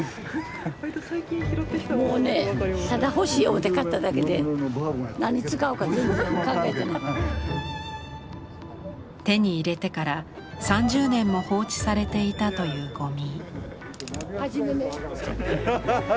もうね手に入れてから３０年も放置されていたというゴミ。